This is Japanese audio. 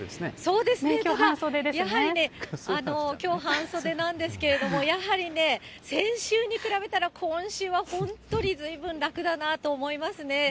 そうですね、きょう半袖なんですけれども、やはりね、先週に比べたら、今週は本当に、ずいぶん楽だなと思いますね。